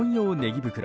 袋